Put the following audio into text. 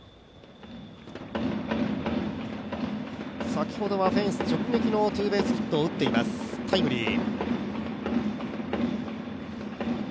先ほどはフェンス直撃のツーベースヒットを打っています、タイムリー。